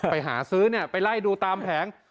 ไปหาซื้อไปไล่ดูตามแผง